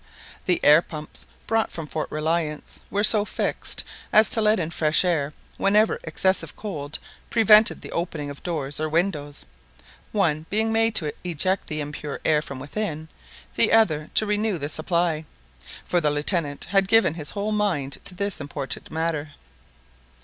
The air pumps, brought from Fort Reliance, were so fixed as to let in fresh air whenever excessive cold prevented the opening of doors or windows one being made to eject the impure air from within, the other to renew the supply; for the Lieutenant had given his whole mind to this important matter.